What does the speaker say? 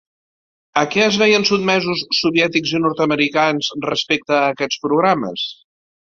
A què es veien sotmesos soviètics i nord-americans respecte a aquests programes?